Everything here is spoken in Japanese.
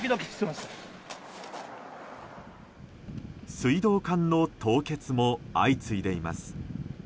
水道管の凍結も相次いでいます。